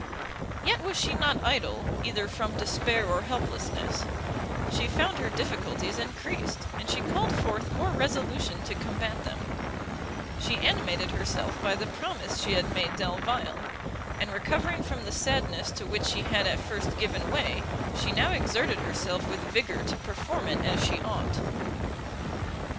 Yet was she not idle, either from despair or helplessness: she found her difficulties encreased, and she called forth more resolution to combat them: she animated herself by the promise she had made Delvile, and recovering from the sadness to which she had at first given way, she now exerted herself with vigour to perform it as she ought.